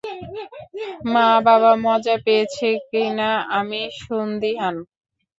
মা, বাবা মজা পেয়েছে কিনা আমি সন্ধিহান।